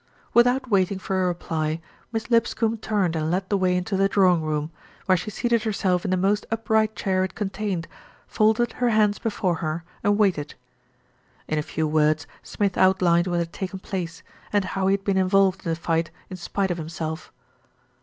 Without waiting for a reply, Miss Lipscombe turned and led the way into the drawing room, where she seated herself in the most upright chair it contained, folded her hands before her, and waited. In a few words Smith outlined what had taken place, and how he had been involved in the fight in spite of himself.